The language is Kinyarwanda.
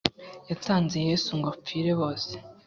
Yatanze Yesu ngo apfire bose